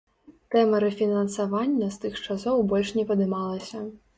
Тэма рэфінансавання з тых часоў больш не падымалася.